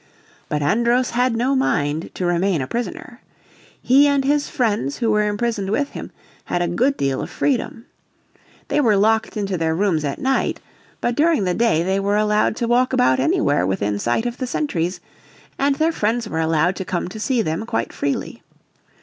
But Andros had no mind to remain a prisoner. He and his friends who were imprisoned with him had a good deal of freedom. They were locked into their rooms at night, but during the day they were allowed to walk about anywhere within sight of the sentries, and their friends were allowed to come to see them quite freely.